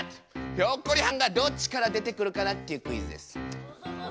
ひょっこりはんがどっちから出てくるかなっていうクイズです。